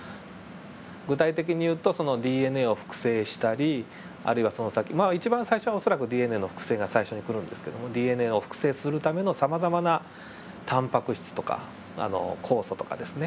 具体的に言うとそのＤＮＡを複製したりあるいはその先まあ一番最初恐らくＤＮＡの複製が最初に来るんですけどもＤＮＡを複製するためのさまざまなタンパク質とか酵素とかですね